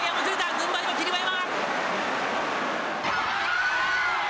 軍配は霧馬山。